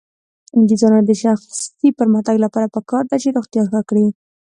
د ځوانانو د شخصي پرمختګ لپاره پکار ده چې روغتیا ښه کړي.